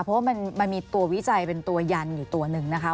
เพราะว่ามันมีตัววิจัยเป็นตัวยันอยู่ตัวหนึ่งนะคะ